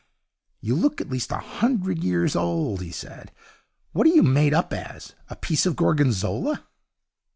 'You look at least a hundred years old,' he said. 'What are you made up as? A piece of Gorgonzola?'